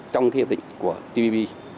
trong hiệp định của tpp